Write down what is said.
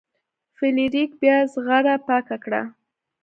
فلیریک بیا زغره پاکه کړه.